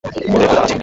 ওদের একটু তাড়া ছিল।